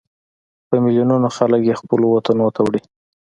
په ملیونونو خلک یې خپلو وطنونو ته وړي.